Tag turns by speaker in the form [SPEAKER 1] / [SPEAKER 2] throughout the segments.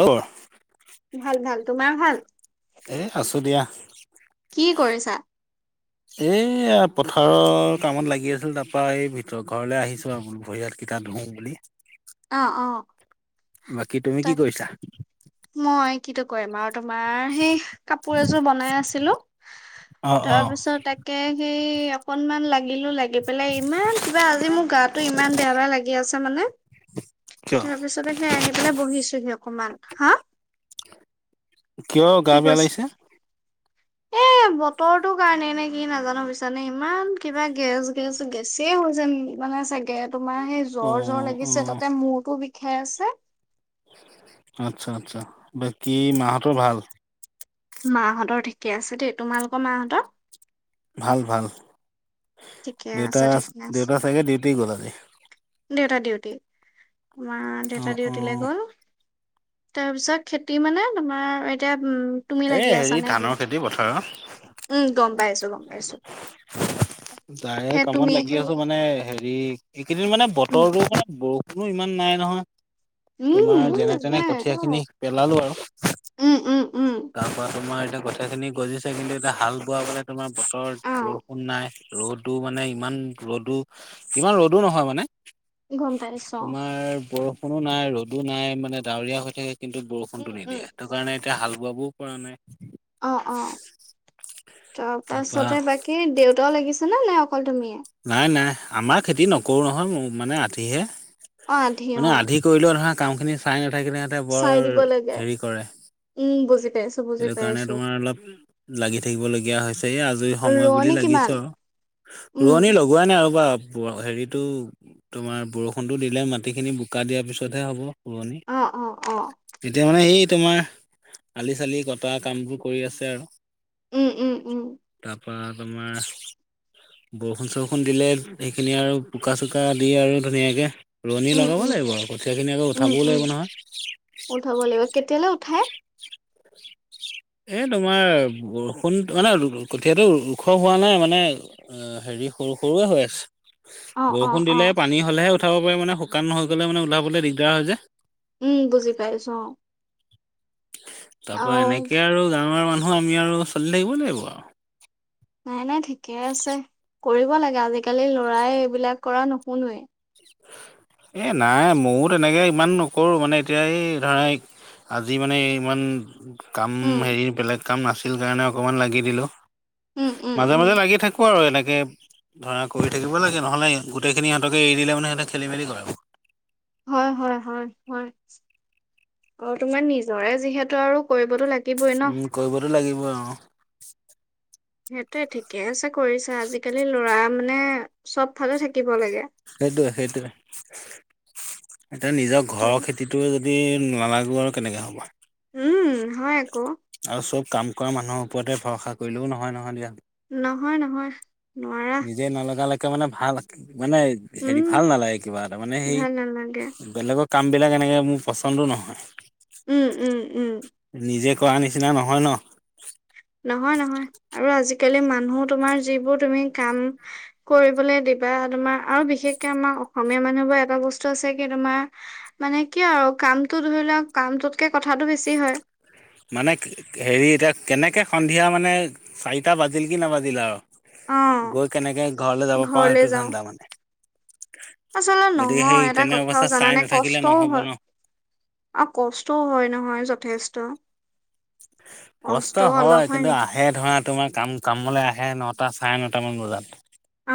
[SPEAKER 1] অ'।
[SPEAKER 2] ভাল ভাল তোমাৰ ভাল
[SPEAKER 1] এ আছো দিয়া।
[SPEAKER 2] কি কৰিছা?
[SPEAKER 1] এ পথাৰৰ কামত লাগি আছিল তাৰ পৰা এই ভিত ঘৰলে আহিছো আৰু বো ভৰি হাত গা ধুওঁ বুলি।
[SPEAKER 2] অ', অ'।
[SPEAKER 1] বাকী তুমি কি
[SPEAKER 2] তাক
[SPEAKER 1] কৈছা?
[SPEAKER 2] মই কিনো কৰিম আৰু, তোমাৰ সেই কাপোৰ এযোৰ বনাই আছিলো।
[SPEAKER 1] অ অ
[SPEAKER 2] তাৰপিছত তাকে সেই অকনমান লাগিলো লাগি লাগি পেলাই ইমান কিবা আজি মোৰ গাটো ইমান বেয়া বেয়া লাগি আছে মানে।
[SPEAKER 1] কিয়
[SPEAKER 2] তাৰ পিছতে সি আহি পেলাই বহিছোহি অকমান হা।
[SPEAKER 1] কিয়
[SPEAKER 2] কি
[SPEAKER 1] গা বেয়া
[SPEAKER 2] কৈছ
[SPEAKER 1] লাগিছে?
[SPEAKER 2] এ বতৰটোৰ কাৰণে এনে কি নাজানো বিছানে ইমান কিবা গেছ গেছ গেছে হৈ হৈছে নেকি? কি মানে চাগে তোমাৰ সেই
[SPEAKER 1] অ
[SPEAKER 2] জ্বৰ জ্বৰ
[SPEAKER 1] অ
[SPEAKER 2] লাগিছে তাতে মূৰটো বিষাই আছে।
[SPEAKER 1] আচ্ছা, আচ্ছা, বাকী মাহঁতৰ ভাল।
[SPEAKER 2] মাহঁতৰ ঠিকে আছে দেই, তোমালোকৰ মাহঁতৰ?
[SPEAKER 1] ভাল ভাল।
[SPEAKER 2] ঠিকে
[SPEAKER 1] দেউতা
[SPEAKER 2] আছে ঠিকে আছে
[SPEAKER 1] দেউতাৰ চাগে দেউতে গ'লা আজি।
[SPEAKER 2] মা
[SPEAKER 1] অ
[SPEAKER 2] দেউতা
[SPEAKER 1] অ
[SPEAKER 2] ডিউটিলৈ গ'ল। তাৰপিছত খেতি মানে তোমাৰ এতিয়া উম তুমি
[SPEAKER 1] এ
[SPEAKER 2] লাগি আছা
[SPEAKER 1] হেৰি
[SPEAKER 2] নে কি
[SPEAKER 1] ধানৰ খেতি পথাৰৰ
[SPEAKER 2] উম গম পাইছোা পাইছো।
[SPEAKER 1] তাই
[SPEAKER 2] সেই
[SPEAKER 1] কামত
[SPEAKER 2] তুমি
[SPEAKER 1] লাগি আছে মানে, হেৰি এইকেইদিন মানে
[SPEAKER 2] উম
[SPEAKER 1] বতৰটো মানে বৰষুন কোন ইমান নাই নহয় তোমাৰ
[SPEAKER 2] উম
[SPEAKER 1] যেনে
[SPEAKER 2] তাকে
[SPEAKER 1] তেনে কঠীয়া খিনি পেলালো আৰু,
[SPEAKER 2] উম উম উম
[SPEAKER 1] তাৰ পৰা তোমাৰ গথা খিনি গজিছে কিন্তু এতি হাল বোৱা বলে তোমাৰ বতৰ
[SPEAKER 2] অ
[SPEAKER 1] বৰষুণ নাই, ৰ'দো মানে ইমান ৰ'দো ইমান ৰ'দো নহয় মানে।
[SPEAKER 2] গম পাইছো
[SPEAKER 1] তোমাৰ বৰষুণো নাই ৰ'দো নাই মানে ডাৱৰীয়া হৈ থাকে কিন্তু
[SPEAKER 2] উম
[SPEAKER 1] বৰষুণতটো
[SPEAKER 2] উম
[SPEAKER 1] নিদিয়ে, হেইতু কাৰণে এতিয়া হাল বোৱাবও পৰা নাই।
[SPEAKER 2] অ', অ',
[SPEAKER 1] তাৰপা
[SPEAKER 2] তাৰপাছতে বাকী দেউতাও লাগিছে। নাই অকল তুমিয়ে?
[SPEAKER 1] নাই, নাই আমাৰ খেতি নকৰোঁ নহয়। মোৰ মানে আধিহে।
[SPEAKER 2] অ আধি অ
[SPEAKER 1] মানে আধি কৰিলেও ধৰা কাম খিনি চাই সতে কিনে সিহঁতে বৰ
[SPEAKER 2] চাই দিব লাগে
[SPEAKER 1] হেৰি কৰে ন।
[SPEAKER 2] উম বুজি পাইছো। বুজি
[SPEAKER 1] সেইটো কাৰণে
[SPEAKER 2] পাইছো
[SPEAKER 1] তোমাৰ অলপ লাগি থাকিবলগীয়া হৈছে এই আজৰি সময় বুলি
[SPEAKER 2] ৰোৱনী কিমান
[SPEAKER 1] লাগিছো আৰু।
[SPEAKER 2] উম
[SPEAKER 1] ৰোৱনী লগোৱাাই নাই আৰু বা হেৰিতটো তোমাৰ বৰষুণতটো দিলে মাটি খিনি বোকা দিয়াৰ পিছতহে হ'ব। পুৰণি
[SPEAKER 2] অ অ অ
[SPEAKER 1] তেতিয়া মানে সেই তোমাৰ আলি চালি কটা কামবোৰ কৰি আছে আৰু
[SPEAKER 2] উম উম উম
[SPEAKER 1] ত। তাৰপা তোমাৰ? বৰষুণ চৰষুণ দিলে সেইখিনি আৰু বোকা চোকা দিয়ে আৰু ধুনীয়াকে। ৰোৱনী
[SPEAKER 2] উম
[SPEAKER 1] লগাব
[SPEAKER 2] উম
[SPEAKER 1] লাগিব আৰু কঠীয়াখিনি আকৌ
[SPEAKER 2] উম,
[SPEAKER 1] উঠাবও
[SPEAKER 2] উম,
[SPEAKER 1] লাগিব
[SPEAKER 2] উঠাব লাগিব
[SPEAKER 1] নহয়।
[SPEAKER 2] কেতিয়ালৈ উঠাই
[SPEAKER 1] এ তোমাৰ বৰষুণ, মানে কঠিঁয়াতটো ওখ হোৱা নাই মানে অ', হেৰি। সৰু সৰুৱে হৈ আছে।
[SPEAKER 2] অ', অ',
[SPEAKER 1] বৰষুণ দিলে
[SPEAKER 2] অ',
[SPEAKER 1] পানী হলেহে উঠাব পাৰে, মানে শুকান হৈ গ'লে মানে ওলাবলৈ দিগদাৰ হৈ যায়।
[SPEAKER 2] উম বুজি পাইছো অ।
[SPEAKER 1] তাৰ পাৰা
[SPEAKER 2] আও
[SPEAKER 1] এনেকে আৰু, গাঁৱৰ মানুহ আমি আৰু চলি থাকিব লাগিব আৰু।
[SPEAKER 2] নাই নাই ঠিকে আছে। কৰিব লাগে, আজিকালি ল'ৰাই এইবিলাক কৰা নুশুনোৱে।
[SPEAKER 1] এ নাই ময়ো তেনেকে ইমান নকৰোঁ মানে এতিয়া এই ধৰা এইক আজি মানে ইমান কাম
[SPEAKER 2] উম,
[SPEAKER 1] হেৰি বেলেগ কাম নাছিল কাৰণে অকমান লাগি দিলো।
[SPEAKER 2] উম, উম,
[SPEAKER 1] মাজে -
[SPEAKER 2] উম।
[SPEAKER 1] মাজে লাগি থাকো আৰু এনেকে। এ, ধৰা কৰি থাকিব লাগে, নহলে গোটেই খিনি ইহঁতকে এৰি দিলে মানে সিহঁতে খেলি-মেলি কৰে
[SPEAKER 2] হয় হয় হয় হয়, অ তোমাৰ নিজৰে যিহেতু আৰু কৰিবতো লাগিবই ন?
[SPEAKER 1] হুৱে অ,
[SPEAKER 2] সেইটো ঠিকে আছে কৰিছা আজিকালি ল'ৰা মানে চব ফালে থাকিব লাগে।
[SPEAKER 1] সেইটোৱে সেইটোৱে, এতিয়া নিজৰ
[SPEAKER 2] তই
[SPEAKER 1] ঘৰৰ খেতিটো যদি নালাগো আৰু কেনেকৈ হ'ব
[SPEAKER 2] উম হয় আক।
[SPEAKER 1] আৰু চব কাম কৰা মানুহৰ ওপৰতে ভৰসা কৰিলেও নহয় নহয় দিয়া।
[SPEAKER 2] নহয় নহয় নোৱাৰা।
[SPEAKER 1] নিজে নলগালৈকে মানে ভাল মানে হেৰি
[SPEAKER 2] উম,
[SPEAKER 1] ভাল নালাগে কিবা এটা মানে সেই
[SPEAKER 2] ভাল নালাগে
[SPEAKER 1] বেলেগক, কামবিলাক এনেকৈ মোৰ পচন্দো নহয়।
[SPEAKER 2] উম- উম- উম।
[SPEAKER 1] নিজে কৰা নিচিনা নহয় ন?
[SPEAKER 2] নহয় - নহয় আৰু আজিকালি মানুহ তোমাৰ যিবোৰ তুমি কাম কৰিবলৈ দি কিবা তোমাৰ আৰু বিশেষকে আমাৰ অসমীয়া মানুহবোৰ এটা বস্তু আছে কি তোমাৰ মানে কিয় আৰু কামটো ধৰি লওক কামটোতকে কথাটো বেছি হয়।
[SPEAKER 1] মানে হেৰি এতিয়া কেনেকৈ সন্ধিয়া মানে চাৰিটা বাজিল কি নাবাজিল আৰু
[SPEAKER 2] অ
[SPEAKER 1] গৈ কেনেকে ঘৰলৈ যাব পাৰো সেইটো ধাণ্ডা মানে
[SPEAKER 2] আচলে
[SPEAKER 1] গতিকে সেই
[SPEAKER 2] নহয় এটা
[SPEAKER 1] তেনে
[SPEAKER 2] কথাও
[SPEAKER 1] অৱস্থা চাই
[SPEAKER 2] জানানে
[SPEAKER 1] নাথাকিলে
[SPEAKER 2] কষ্টও
[SPEAKER 1] নহ'ব
[SPEAKER 2] হয়।
[SPEAKER 1] ন
[SPEAKER 2] অ কষ্টও হয় নহয় যথেষ্ট।
[SPEAKER 1] কষ্ট
[SPEAKER 2] কষ্টও
[SPEAKER 1] হয়
[SPEAKER 2] অলপ
[SPEAKER 1] কিন্তু
[SPEAKER 2] নি
[SPEAKER 1] আহে ধৰা তোমাৰ কাম কামলৈ আহ এ নটা চাৰে নটা মান বজাত,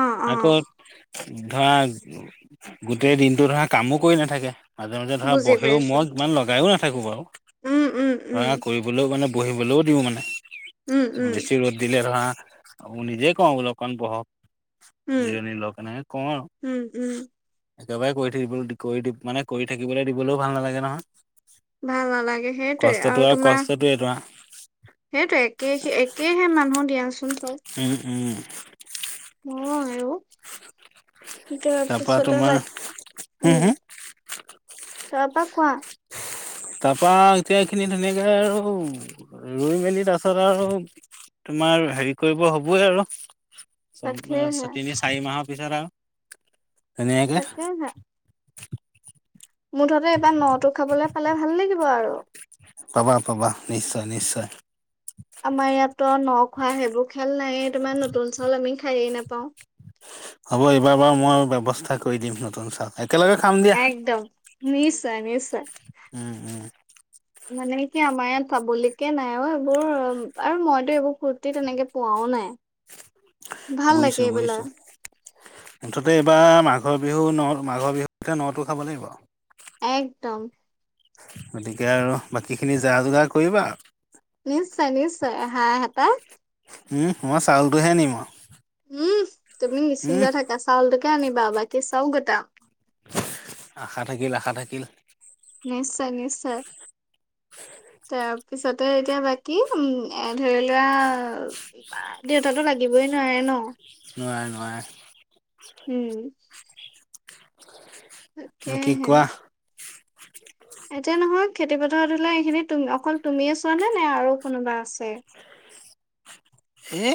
[SPEAKER 2] অ অ
[SPEAKER 1] আকৌ ধৰা গোটেই দিনটো ধৰা কামো কৰি নাথাকে। মাজে মাজে ধৰা
[SPEAKER 2] বুজি
[SPEAKER 1] বহেও
[SPEAKER 2] পাইছো
[SPEAKER 1] মই ইমান লগাইও নাথাকো বাৰু
[SPEAKER 2] উম উম উম
[SPEAKER 1] ধৰা কৰিব। মানে বহিবলৈও দিও মানে
[SPEAKER 2] উম উম
[SPEAKER 1] বেছি ৰ'দ দিলে ধৰা আৰু নিজে কও অলোক মান বহক।
[SPEAKER 2] উম
[SPEAKER 1] জনী লগৰ কাৰণ হে কওঁ আৰু
[SPEAKER 2] উম উম
[SPEAKER 1] একেবাৰে কৰি থাকিব কৰি মানে কৰি থাকিবলৈ দিবলৈও ভাল নালাগে নহয়।
[SPEAKER 2] ভাল নালাগে সেইটোৱে
[SPEAKER 1] কষ্টটো
[SPEAKER 2] আৰু তোমাৰ
[SPEAKER 1] কষ্টটোৱে ধৰা
[SPEAKER 2] সেইটো একে সে একেহে মানুহ দিয়াচ
[SPEAKER 1] উম উম।
[SPEAKER 2] অ আইও যোৱাৰ
[SPEAKER 1] তাৰপা
[SPEAKER 2] পিছতো
[SPEAKER 1] তোমাৰ
[SPEAKER 2] বাইক
[SPEAKER 1] হুম হুম
[SPEAKER 2] উম তাপা কোৱা।
[SPEAKER 1] তাপা এতিয়া এই খিনি ধুনীয়াকে ৰুই, ৰুই মেলি তাৰপাছত আৰু তোমাৰ হেৰি কৰিব হবই আৰু চম
[SPEAKER 2] তাকেহে
[SPEAKER 1] তিনি চাৰি মাহৰ পিছত আও ধুনীয়াকে
[SPEAKER 2] তাকেহে মুঠতে এইবাৰ ন টো খাবলে পালে ভাল লাগিব আৰু
[SPEAKER 1] পাবা পাবা নিশ্চয় নিশ্চয়।
[SPEAKER 2] আমাৰ ইয়াত ত ন খোৱা সেইবোৰ খেল নায়েই তোমাৰ নতুন চাউল আমি খায়েই নাপাওঁ।
[SPEAKER 1] হ'ব এইবাৰ বাৰু মই ব্যৱস্থা কৰি দিম নতুন চাউল একেলগে খাম দিয়া
[SPEAKER 2] একদম নিশ্চয় নিশ্চয়।
[SPEAKER 1] উম উম
[SPEAKER 2] মানে কি আমাৰ ইয়াত পাবলকে নাই অ এইবোৰ আৰু মইতো এইবোৰ ফুুৰ্তি তেনেকে পোৱাও নাই। ভাল লাগে
[SPEAKER 1] বুজিছো-বুজিছো
[SPEAKER 2] এইবিলাক
[SPEAKER 1] মুঠতে এবাৰ মা মাঘৰ বিহু ন মাঘৰ বিহুতে নটো খাব লাগিব আও
[SPEAKER 2] একদম
[SPEAKER 1] গতিকে আৰু বাকীখিনি যা-যোগাৰ কৰিবা
[SPEAKER 2] নিশ্চয়-নিশ্চয় হাঁহ হেতা।
[SPEAKER 1] উম মই চাউলটোহে নিম আও
[SPEAKER 2] উম তুমি নিচিন্ত থাকা চাউলটোকে আনিবা বাকী চাও গোটা
[SPEAKER 1] আশা থাকিল আশা থাকিল
[SPEAKER 2] নিশ্চয় নিশ্চয় তাৰপিছত তই এতিয়া বাকী উম এ ধৰি লোৱা ইবাৰ দেউতাতো লাগিবই নোৱাৰে ন
[SPEAKER 1] নোৱাৰে-নোৱাৰে।
[SPEAKER 2] উম
[SPEAKER 1] তুমি কি
[SPEAKER 2] তাকেহে
[SPEAKER 1] কোৱা
[SPEAKER 2] এতিয়া নহয় খেতিপথাৰত ধৰি লোৱা এইখিনি অকল তুমিয়ে চোৱানে নে আৰু কোনোবা আছে?
[SPEAKER 1] [unintelligible] এ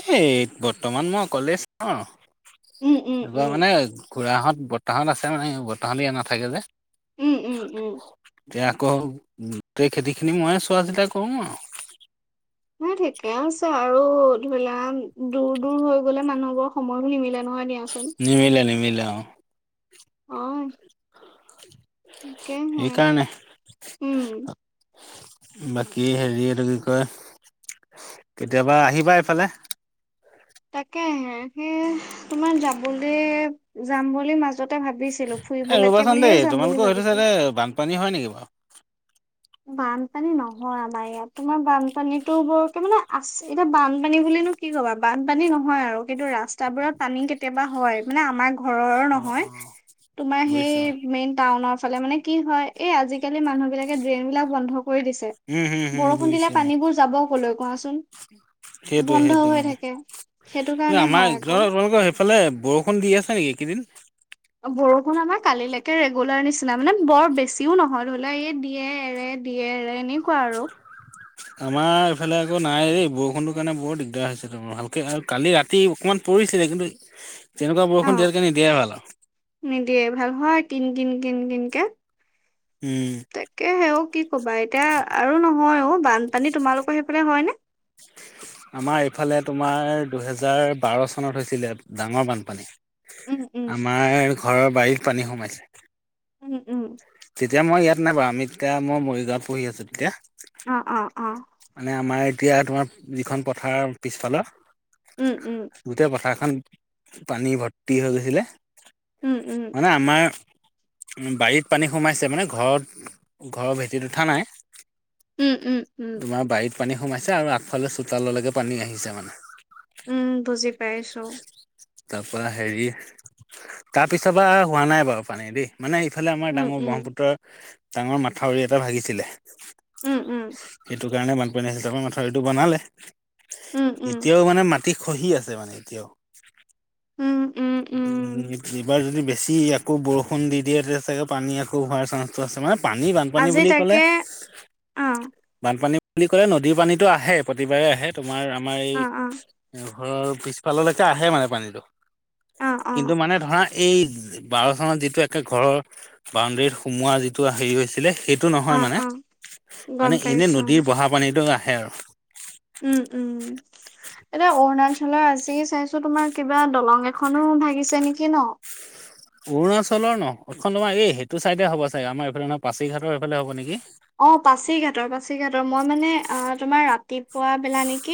[SPEAKER 1] বৰ্তমান মই কলেজ ন
[SPEAKER 2] উম উম
[SPEAKER 1] এনেকুৱা
[SPEAKER 2] উম
[SPEAKER 1] মানে খুৰাহঁত বৰ্তা হত আছে মানে বৰ্তা হত ইয়াত নাথাকে যে।
[SPEAKER 2] উম উম উম
[SPEAKER 1] এতিয়া আকৌ গোটেই খেতিখিনি মইয়ে চোৱা- চিতা কৰোঁ আৰু।
[SPEAKER 2] ন ঠিকে আছে আৰু ধৰি লা দূৰ দূৰ হৈ গ'লে মানুহবোৰ সময়বোৰ নিমিলে নহয় দিয়াচোন।
[SPEAKER 1] নিমিলে-নিমিলে অ,
[SPEAKER 2] অ', কে হে
[SPEAKER 1] সেইকাৰণে
[SPEAKER 2] উম
[SPEAKER 1] বাকী হেৰি এইটো কি কয় কেতিয়াবা আহিবা এইফালে
[SPEAKER 2] তাকেহে সেই তোমাৰ যাবলে যাম বুলি মাজত
[SPEAKER 1] এ ৰবাচোন দেই
[SPEAKER 2] বুলি
[SPEAKER 1] তোমালোকৰ সেইটো
[SPEAKER 2] ভাবিছিলো।
[SPEAKER 1] চাদে বানপানী হয় নেকি বাৰু?
[SPEAKER 2] বানপানী নহয় আমাৰ ইয়াত তোমাৰ বানপানীটো বৰকে মানে আছে এতিয়া বানপানী বুলিনো কি কি কবা বানপানী নহয় আৰু কিন্তু ৰাস্তাবোৰত পানী কেতিয়াবা হয় মানে আমাৰ ঘৰৰ
[SPEAKER 1] অ',
[SPEAKER 2] নহয়
[SPEAKER 1] অ'।
[SPEAKER 2] তোমাৰ সেই
[SPEAKER 1] বুজিছোঁ
[SPEAKER 2] মেনটাউনত ইফালে মানে কি হয় এই আজিকালি মানুহ বিলাকে ড্ৰেইন বিলাক বন্ধ হৈ দিছে
[SPEAKER 1] উম, হম, হম
[SPEAKER 2] বৰষুণ দিলে
[SPEAKER 1] বুজিছোঁ
[SPEAKER 2] পানীবোৰ যাব কলৈ কোৱাচোন।
[SPEAKER 1] সেইটোৱে
[SPEAKER 2] বন্ধ হৈ
[SPEAKER 1] সেইটোৱে
[SPEAKER 2] থাকে সেইটো
[SPEAKER 1] অ'।
[SPEAKER 2] কাৰণে
[SPEAKER 1] আমাৰ
[SPEAKER 2] হয় আকৌ।
[SPEAKER 1] ধৰা তোমালোকৰ সেইফালে বৰষুণ দি আছে নেকি এই কেইদিন?
[SPEAKER 2] বৰষুণ আমাৰ কালিলৈকে ৰেগুলাৰ নিচিনা মানে বৰ বেছিও নহয় ধৰি লোৱা এই দিয়ে এৰে দিয়ে দিয়ে এৰে এনেকুৱা আৰু।
[SPEAKER 1] আমাৰ এইফালে আকৌ নাই বৰষুণটো কাৰণে বৰ দিগদাৰ হৈছে তোমাৰ ভালকে আৰু কালি ৰাতি অকণমান পৰি ছিলে কিন্তু তেনেকুৱা
[SPEAKER 2] অ
[SPEAKER 1] বৰষুণ দিয়াতকে নিদিয়াই ভাল আৰু।
[SPEAKER 2] কিন-কিন-কিনকে।
[SPEAKER 1] উম।
[SPEAKER 2] তাকেহে অঔ কি কবা এতিয়া আৰু নহয় অ বানপানী তোমালোকৰ সেইফালে হয় নে?
[SPEAKER 1] আমাৰ এইফালে তোমাৰ দুহেজাৰ বাৰ চনত হৈছিলে ডাঙৰ বানপানী।
[SPEAKER 2] উম উম
[SPEAKER 1] আমাৰ ঘৰৰ বাৰীত পানী সোমাইছে।
[SPEAKER 2] উম-উম
[SPEAKER 1] তেতিয়া মই ইয়াত নাই বাৰু আমি এতিয়া মই মৰিগাঁওত পঢ়ি আছো তেতিয়া।
[SPEAKER 2] অ অ অ
[SPEAKER 1] মানে আমাৰ এতিয়া তোমাৰ যিখন পথাৰ পিছফালৰ
[SPEAKER 2] উম উম
[SPEAKER 1] গোটেই পথাৰখন খন পানী ভৰ্তি হৈ গৈছিলে
[SPEAKER 2] উম উম
[SPEAKER 1] মানে আমাৰ উম, বাৰীত পানী সোমাইছে মানে ঘৰত ঘৰৰ ভেটিত উঠা নাই।
[SPEAKER 2] উম উম উম
[SPEAKER 1] তোমাৰ বাৰীত পানী সোমাইছে আৰু আগফালে চোতাললৈকে পানী আহিছে মানে।
[SPEAKER 2] উম, বুজি পাইছো।
[SPEAKER 1] তাৰ পৰাৰা হেৰি তাৰপিছৰ বা হোৱা নাই বাৰু পানী দেই মানে ইফালে আমাৰ
[SPEAKER 2] উম
[SPEAKER 1] ডাঙৰ
[SPEAKER 2] উম
[SPEAKER 1] ব্ৰহ্মপুত্ৰৰ ডাঙৰ মাথাউৰি এটা ভাাগিছিলে
[SPEAKER 2] উম, উম
[SPEAKER 1] সটো কাৰণে বানপানী হিচাপে মাথাউৰিটো বনালে
[SPEAKER 2] উম উম
[SPEAKER 1] এতিয়াও মানে অতি খহি আছে মানে এতিয়াও
[SPEAKER 2] উম উম
[SPEAKER 1] উম, এইবাৰ যদি বে বেছি আকৌ বৰষুণ দি দিয়ে তেতিয়া চাগে পানী আকৌ হোৱাৰ চান্স আছে নহয় পানী বানপানী
[SPEAKER 2] আজি
[SPEAKER 1] বুলি ক'লে
[SPEAKER 2] তাকে অ
[SPEAKER 1] বানপানী বুলি ক'লে নদীৰ পানীটো আহে প্ৰতিবাৰে আহে তোমাৰ আমাৰ এই
[SPEAKER 2] অ অ
[SPEAKER 1] ঘৰৰ পিছফাললৈকে আহে মানে পানীতটো
[SPEAKER 2] অ অ
[SPEAKER 1] কিন্তু মানে ধৰা এই বাৰ চানত যিটো একে ঘৰৰ বাউণ্ডৰীত সোমোৱা যিটো হেৰি হৈছে ছিলে সেইটো
[SPEAKER 2] অ
[SPEAKER 1] নহয় মানে,
[SPEAKER 2] অ গম
[SPEAKER 1] মানে এনে
[SPEAKER 2] পাইছো
[SPEAKER 1] নদীৰ বহা পানীতো আহে আৰু
[SPEAKER 2] উম, উম।
[SPEAKER 1] [inaudible]
[SPEAKER 2] এতিয়া অৰুণাচলৰ আজি চাইছো তোমাৰ কিবা দলং এখনো ভাগিছে নেকি ন
[SPEAKER 1] অৰুণাচলৰ ন এখন তোমাৰ এই সেইটো চাইডে হ'ব চাগ আমাৰ এইফালে নহয় পাছিঘাটৰ এইফালে হ'ব নেকি
[SPEAKER 2] অ', পাছিঘাটৰ পাছিঘাটৰ মই মানে অ', তোমাৰ ৰাতিপুৱা বেলা নেকি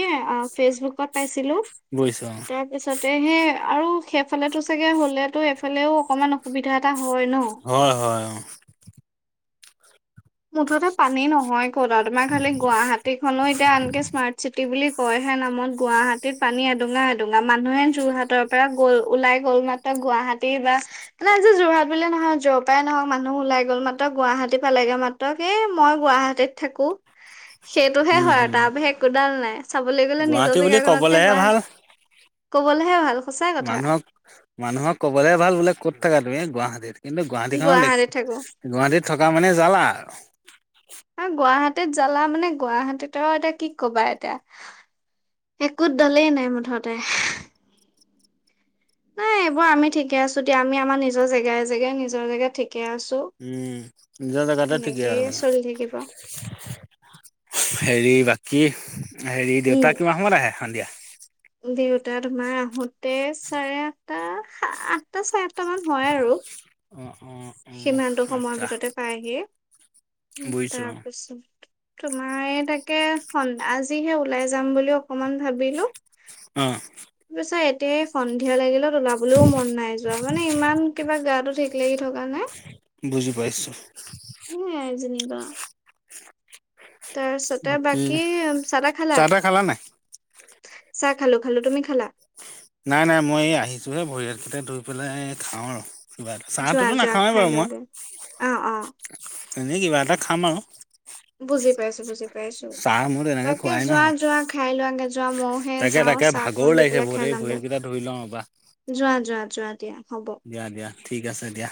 [SPEAKER 2] ফেচবুকত পাইছিলো
[SPEAKER 1] বুজিছো অ
[SPEAKER 2] তাৰ পিছত তেহে আৰু সেইফালেতো চাগে হ'লেতো এফালেও অকমান অসুবিধা এটা হয় ন?
[SPEAKER 1] হয়, হয়
[SPEAKER 2] মুঠতে পানী নহয় ক'ত তোমাৰ খালি গুৱাহাটী খো এতিয়া আনকে স্মাৰ্ট চিটি বুলি কয়হে নামত গুৱাহাটীত পানী এডুঙা এদুঙা মানুহে যোৰহাটৰ পৰা গ'ল ওলাই গ'ল মাত্ৰ গুৱাহাটী বা মানে আজি যোৰহাট বুলিয়ে নহয় যৰ পাই নহওক মানুহ ওলাই গ'ল মাত্ৰ গুৱাহাটী পালেগে মাত তকে মই গুৱাহাটীত থাকো সেইটোহে
[SPEAKER 1] উম
[SPEAKER 2] হয় আৰু
[SPEAKER 1] হম
[SPEAKER 2] তাৰ বাহে একোডাল নাই। চাবলৈ গ'লে নিজৰ
[SPEAKER 1] গুৱাহাটী বুলি
[SPEAKER 2] জেগাখননতকে
[SPEAKER 1] কবলেহে
[SPEAKER 2] গুৱাহাটী
[SPEAKER 1] ভাল
[SPEAKER 2] কবলৈহে ভাল সঁচা কথা
[SPEAKER 1] মানুহক মানুহক কবলে ভাল বোলে কত থাকা তুমি গুৱাহাটী কিন্তু গুৱাহাটীখনত দে
[SPEAKER 2] গুৱাহাটীত থাকো
[SPEAKER 1] গুৱাহাটীত থকা মানে জালা আৰু
[SPEAKER 2] হ গুৱাহাটীত জালা মানে গুৱাহাটীত আৰু এতিয়া কি কবা এতিয়া একোত দলেই নাই মুঠতে নাই এইবোৰ আমিঠিকে আছো দিয়া আমি আমাৰ নিজৰ জেগাই জেগাই নিজৰ জেগাত ঠিক
[SPEAKER 1] উম, নিজ কতে
[SPEAKER 2] এনেকেই
[SPEAKER 1] ঠিকেই
[SPEAKER 2] চলি থাকিব উম
[SPEAKER 1] হেৰি বাকী হেৰি দেউতা কিমান সময়ত আহে সন্ধিয়া?
[SPEAKER 2] দেউতা, তোমাৰ আহোতে চাৰে আঠটা আঠটা চাৰে আঠটা মান হয় আৰু
[SPEAKER 1] অ', অ', অ',
[SPEAKER 2] সিমানটো সময়ৰ
[SPEAKER 1] আচ্ছা
[SPEAKER 2] ভিতৰতে পায়হি
[SPEAKER 1] বুজিছো অ',
[SPEAKER 2] তাৰপিছত তোমাৰ তাকো আজিহে ওলাই যাম বুলি অকমান ভাবিলো
[SPEAKER 1] অ',।
[SPEAKER 2] প এতিয়াই সন্ধিয়া লাগিলে ওলাবলৈও মন নাই যোৱা মানে ইমান কিবা গা তো ঠিক লাগি থকা নাই
[SPEAKER 1] বুজি পাইছো।
[SPEAKER 2] [unintelligible] তাৰপিছতে বাকী চদাহ খালা
[SPEAKER 1] চাহ তাহ নাই?
[SPEAKER 2] চাক খালো, খালো তুমি খালা
[SPEAKER 1] নাই, নাই মই আহিছোহে ভৰিয়তকেইটা ধৈ পেলাই খাওঁ আৰু
[SPEAKER 2] যোৱা
[SPEAKER 1] চাহটোনো
[SPEAKER 2] যোৱা
[SPEAKER 1] নাখাওঁৱেই
[SPEAKER 2] খাই
[SPEAKER 1] বাৰু মই,
[SPEAKER 2] লোৱাগে অ অ
[SPEAKER 1] এনেই কিবা এটা খাম আৰু
[SPEAKER 2] বুজি। পাইছো বুজি পাইছো
[SPEAKER 1] চাহ মোৰ তেনেকে
[SPEAKER 2] তাকে
[SPEAKER 1] খোৱাই
[SPEAKER 2] যোৱা
[SPEAKER 1] নহয়
[SPEAKER 2] যোৱা খাই লোৱাগে যোৱা মইহে যাও চাহক
[SPEAKER 1] [unintelligible] ভৰিকেইটা ধৰি লওঁ বা
[SPEAKER 2] যোৱা যোৱা যোৱা, দিয়া হ'ব
[SPEAKER 1] দিয়া, দিয়া ঠিক আছে দিয়া